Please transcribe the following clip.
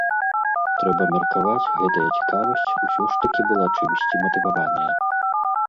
Трэба меркаваць, гэтая цікавасць усё ж такі была чымсьці матываваная.